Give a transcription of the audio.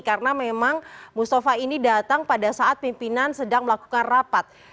karena memang mustafa ini datang pada saat pimpinan sedang melakukan rapat